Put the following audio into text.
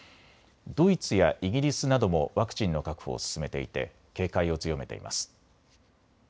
ドイツやイギリスなどもワクチンの確保を進めていて警戒を強めています。